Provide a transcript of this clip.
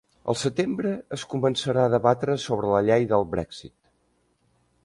Al setembre es començarà a debatre sobre la llei del Brexit